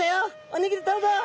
おにぎりどうぞ」。